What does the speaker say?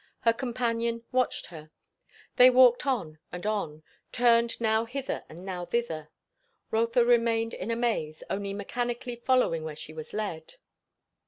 Her companion watched her. They walked on and on; turned now hither and now thither; Rotha remained in a maze, only mechanically following where she was led.